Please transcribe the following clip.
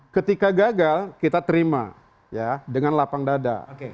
ketika gagal kita terima ya dengan lapang dada